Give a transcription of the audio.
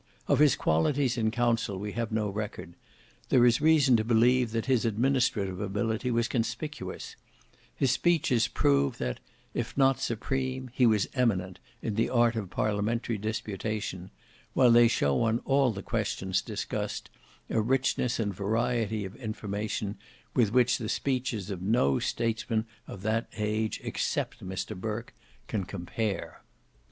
Of his qualities in council we have no record; there is reason to believe that his administrative ability was conspicuous: his speeches prove that, if not supreme, he was eminent, in the art of parliamentary disputation, while they show on all the questions discussed a richness and variety of information with which the speeches of no statesman of that age except Mr Burke can compare.